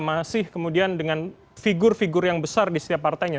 masih kemudian dengan figur figur yang besar di setiap partainya